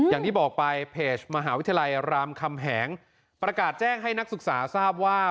อย่างที่บอกไปเพจมหาวิทยาลัยรามคำแหงประกาศแจ้งให้นักศึกษาทราบว่า